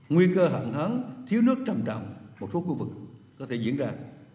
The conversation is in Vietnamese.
nguy cơ hận hấn thiếu nước trầm trọng một số khu vực có thể diễn ra